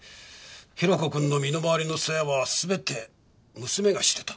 宏子くんの身の回りの世話は全て娘がしてた。